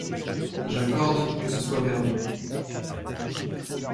J'accorde que ce soit vers Dieu.